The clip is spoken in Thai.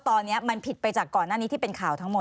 ตอนนี้มันผิดไปจากก่อนหน้านี้ที่เป็นข่าวทั้งหมด